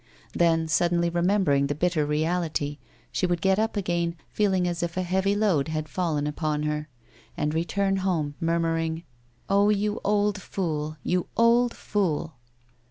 Then suddenly remembering the bitter reality she would get up again, feeling as if a heavy load had fallen upon her, and return home, murmuring, " Oh, you old fool ! You old fool